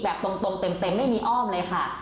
แบบตรงเต็มไม่มีอ้อมเลยค่ะ